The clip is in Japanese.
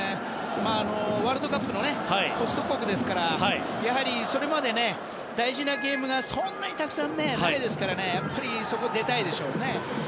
ワールドカップのホスト国ですからやはりそれまで大事なゲームがそんなにたくさんあるわけじゃないのでやっぱり出たいでしょうね。